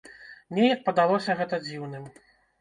Неяк падалося гэта дзіўным.